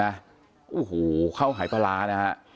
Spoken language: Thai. เอ้อหูเข้าหายปลานะฮะ